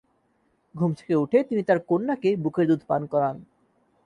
ঘুম থেকে উঠে তিনি তাঁর কন্যাকে বুকের দুধ পান করান।